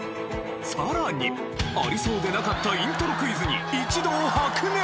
さらにありそうでなかったイントロクイズに一同白熱！